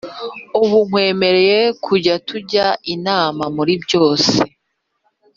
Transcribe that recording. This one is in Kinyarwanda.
ubu kwemereye kujya tujya inama muri byose